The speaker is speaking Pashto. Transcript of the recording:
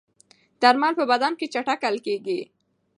درمل په بدن کې چټک حل کېږي.